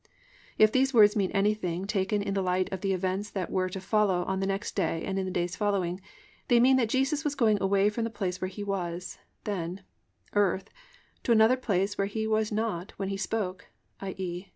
"+ If these words mean anything, taken in the light of the events that were to follow on the next day and the days following, they mean that Jesus was going away from the place where He then was—earth—to another place where He was not when He spoke, i.e.